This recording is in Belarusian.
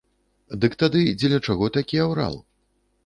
Дык тады дзеля чаго такі аўрал?